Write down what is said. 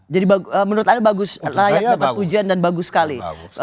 jadi menurut anda layak dapat pujian dan bagus sekali